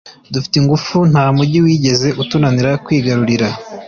dufite ingufu nta mugi wigeze utunanira kwigarurira